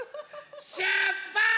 しゅっぱつ！